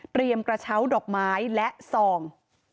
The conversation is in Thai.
เตรียมกระเช้าดอกไม้และทรอง